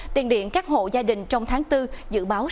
tiền điện các hộ gia đình trong tháng bốn dự báo